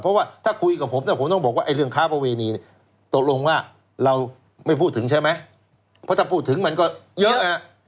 เพราะว่าถ้าคุยกับผมเนี่ยผมต้องบอกว่าเรื่องค้าประเวณีเนี่ยตกลงว่าเราไม่พูดถึงใช่ไหมเพราะถ้าพูดถึงมันก็เยอะฮะ